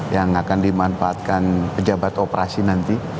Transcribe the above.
yang akan dimanfaatkan pejabat operasi nanti